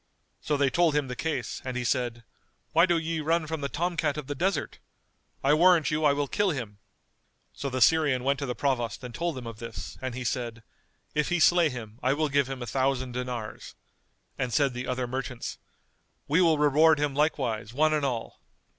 So they told him the case and he said, "Why do ye run from the tom cat of the desert? I warrant you I will kill him." So the Syrian went to the Provost and told him of this and he said, "If he slay him, I will give him a thousand dinars," and said the other merchants, "We will reward him likewise one and all."